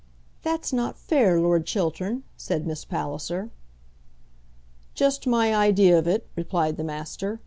"That's not fair, Lord Chiltern," said Miss Palliser. "Just my idea of it," replied the Master.